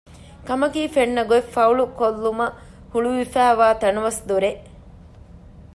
ކަމަކީ ފެންނަ ގޮތް ފައުޅު ކޮށްލުމަށް ހުޅުވިފައިވާ ތަނަވަސް ދޮރެއް